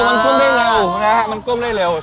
มันก้มได้เร็วนะฮะมันก้มได้เร็ว